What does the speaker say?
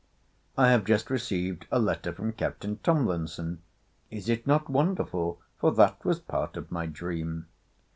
I have just received a letter from Captain Tomlinson. Is it not wonderful? for that was part of my dream.